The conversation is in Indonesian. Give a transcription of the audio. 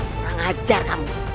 aku mengajar kamu